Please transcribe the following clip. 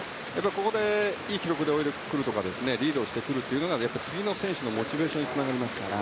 ここでいい記録で泳いでくるとかリードをしてくることが次の選手のモチベーションにつながりますから。